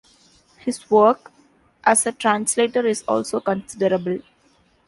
His work as a translator is also considerable.